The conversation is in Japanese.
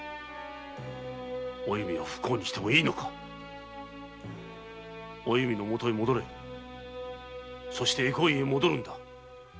お弓を不幸にしてもいいのかお弓のもとへ戻れそして回向院へ戻るのだ。